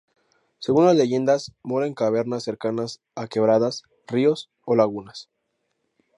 Según las leyendas mora en cavernas cercanas a quebradas, ríos o lagunas.